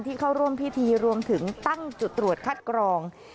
เข้าร่วมพิธีรวมถึงตั้งจุดตรวจคัดกรอง